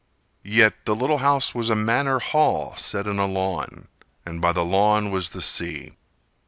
Yet the little house was a manor hall Set in a lawn, and by the lawn was the sea.